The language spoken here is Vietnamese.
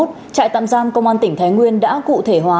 trại tạm giam công an tỉnh thái nguyên đã cụ thể hóa